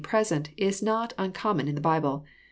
present " is not uncommon in the Bible.